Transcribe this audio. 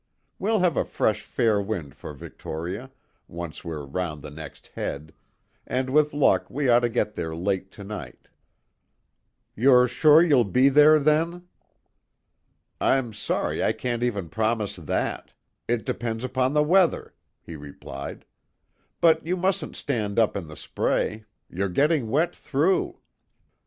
We'll have a fresh fair wind for Victoria once we're round the next head, and with luck we ought to get there late to night." "You're sure you'll be there, then?" "I'm sorry I can't even promise that: it depends upon the weather," he replied. "But you mustn't stand up in the spray. You're getting wet through."